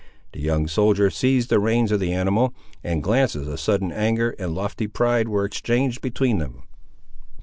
The young soldier seized the reins of the animal, and glances of sudden anger and lofty pride were exchanged between them.